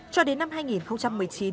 cho đến năm hai nghìn một mươi chín